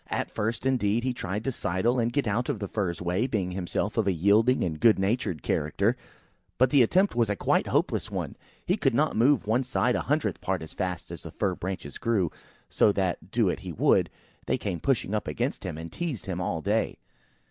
At first, indeed, he tried to sidle and get out of the Fir's way, being himself of a yielding, good natured character, but the attempt was a quite hopeless one. He could not move on one side a hundredth part as fast as the fir branches grew; so that, do what he would, they came pushing up against him, and teased him all day.